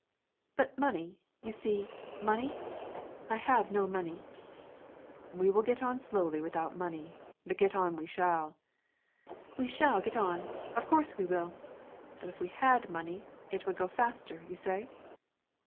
"But money, you see, money? I have no money." "We will get on slowly without money; but get on we shall!" "We shall get on! Of course we will! But if we had money, it would go faster you say?"